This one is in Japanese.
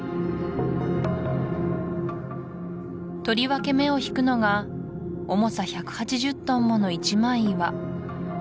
とりわけ目をひくのが重さ１８０トンもの一枚岩